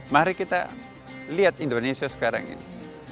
mari kita lihat indonesia sekarang ini